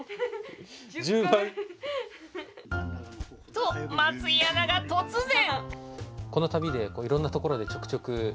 と松井アナが突然！